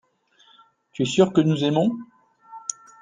tu es sûr que nous aimons.